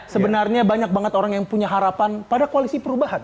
sebenarnya banyak banget orang yang punya harapan pada koalisi perubahan